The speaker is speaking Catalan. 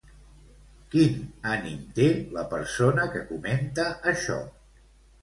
Quin ànim té la persona que comenta això?